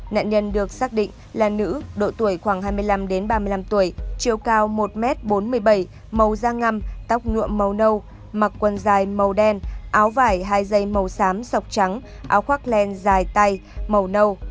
nạn nhân được xác định là nữ độ tuổi khoảng hai mươi năm đến ba mươi năm tuổi chiều cao một m bốn mươi bảy màu da ngâm tóc nhuộm màu nâu mặc quần dài màu đen áo vải hai dây màu xám sọc trắng áo khoác len dài tay màu nâu